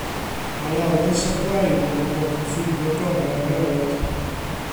Mae Alys a Glain wedi bod yn ffrindiau gorau erioed.